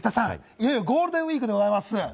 武田さん、いよいよゴールデンウイークでございます。